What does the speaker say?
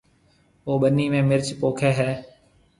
او ٻنِي ۾ مرچ پوکيَ ھيََََ